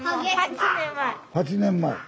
８年前。